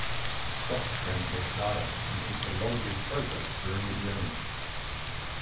Spock transmits data and keeps a log of his progress during the journey.